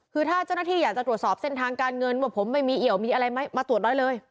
คือถ้าเจ้าหน้าที่อยากจะตรวจสอบเส้นทางการเงินว่าผมไม่มีเอี่ยวมีอะไรไหมมาตรวจได้เลย